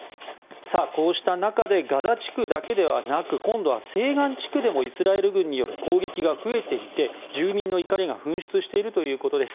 こうした中でガザ地区だけではなく今度は西岸地区でもイスラエル軍による攻撃が増えていて、住民の怒りが噴出しているということです。